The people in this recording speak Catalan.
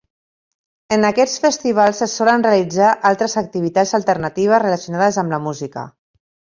En aquests festivals se solen realitzar altres activitats alternatives relacionades amb la música.